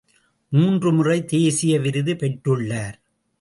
மூன்று முறை தேசிய விருது பெற்றுள்ளார்.